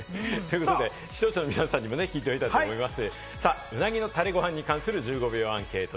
視聴者の皆さんにも聞いてみたいと思います。